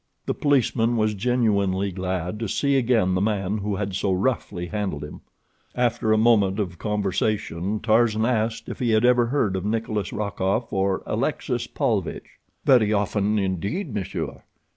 The policeman was genuinely glad to see again the man who had so roughly handled him. After a moment of conversation Tarzan asked if he had ever heard of Nikolas Rokoff or Alexis Paulvitch. "Very often, indeed, monsieur.